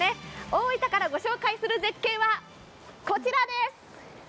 大分からご紹介する絶景はこちらです！